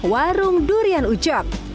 warung durian ucok